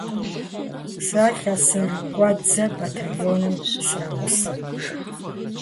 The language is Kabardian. Сэ лъэсырыкӀуэдзэ батальоным срагъусэт.